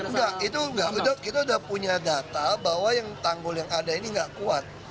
enggak itu enggak kita sudah punya data bahwa tanggul yang ada ini enggak kuat